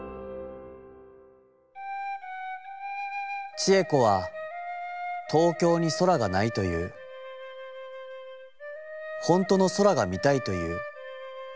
「智恵子は東京に空が無いといふ、ほんとの空が見たいといふ。